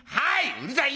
うるさい！